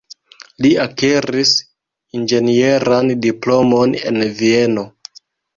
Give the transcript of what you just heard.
Li akiris inĝenieran diplomon en Vieno.